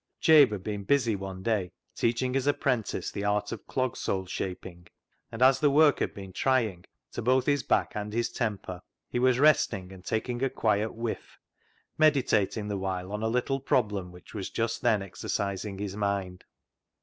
Jabe had been busy one day teaching his apprentice the art of clog sole shaping, and as the work had been trying to both his back A DIPLOMATIC REVERSE 219 and his temper, he was resting and taking a quiet whiff, meditating the while on a little problem which was just then exercising his mind.